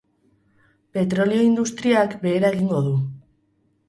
Petrolio-industriak behera egingo du.